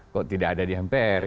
kok tidak ada di mpr